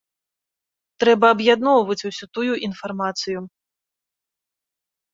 Трэба аб'ядноўваць усю тую інфармацыю.